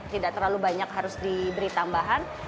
tidak terlalu banyak harus diberi tambahan